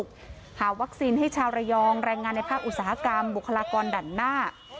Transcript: หาวัคซีนให้ชาวระยองแรงงานในภาคอุตสาหกรรมบุคลากรด่านหน้า